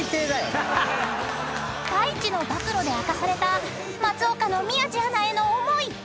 ［太一の暴露で明かされた松岡の宮司アナへの思い］